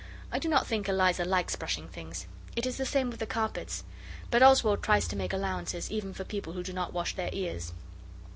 I do not think Eliza likes brushing things. It is the same with the carpets. But Oswald tries to make allowances even for people who do not wash their ears.